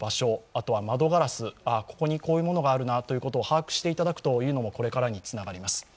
あとは窓ガラス、ここにこういうものがあるなということを把握していただくというのもこれからにつながります。